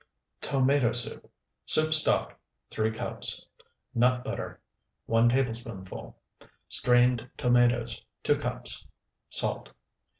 TOMATO SOUP Soup stock, 3 cups. Nut butter, 1 tablespoonful. Strained tomatoes, 2 cups. Salt.